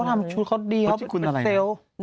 ของทำชุดเขาดีของคุณอะไรน่ะ